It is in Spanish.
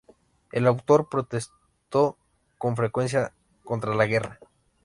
El autor protestó con frecuencia contra la guerra.